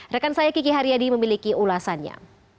rekan saya kiki haryadi memiliki ulasannya